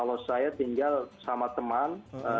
kalau saya tinggal sama teman